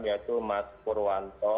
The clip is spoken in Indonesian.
yaitu mas purwanto